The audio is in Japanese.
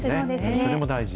それも大事。